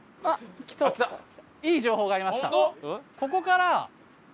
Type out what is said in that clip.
ここから。